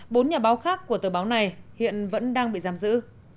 bốn nhà báo khác của tờ báo này hiện vẫn đang bị giam giữ